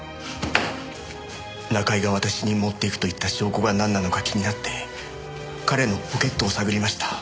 中居が私に持っていくと言った証拠がなんなのか気になって彼のポケットを探りました。